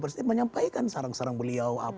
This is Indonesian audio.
presiden menyampaikan sarang sarang beliau